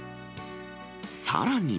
さらに。